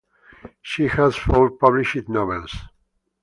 She has four published novels.